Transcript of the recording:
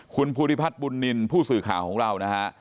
คุณภูริพัฒน์บุญนินทร์ผู้สื่อข่าวของเรานะฮะ